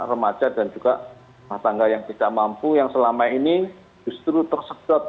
remaja dan juga matangga yang tidak mampu yang selama ini justru tersebut